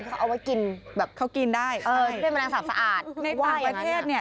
ที่เค้าเอาไว้กินแบบใช่ด้วยมะแรงสาบสะอาดว่ายอย่างนั้นในต่างประเทศ